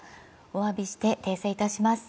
お詫びして訂正いたします。